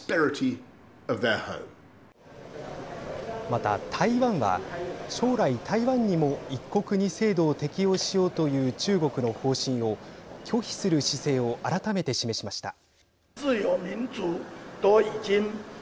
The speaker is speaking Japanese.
また、台湾は将来、台湾にも一国二制度を適用しようという中国の方針を拒否する姿勢を改めて示しました。